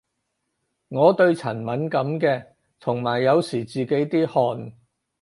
我對塵敏感嘅，同埋有時自己啲汗